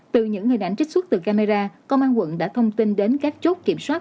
từ những hình ảnh trích xuất từ camera công an quận đã thông tin đến các chốt kiểm soát